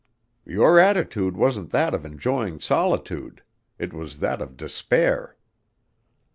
"Your attitude wasn't that of enjoying solitude. It was that of despair."